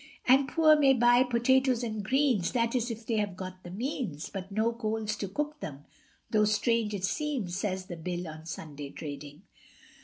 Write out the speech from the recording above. The poor may buy potatoes and greens, That is if they have got the means, But no coals to cook them, though strange it seems, Says the Bill on Sunday trading.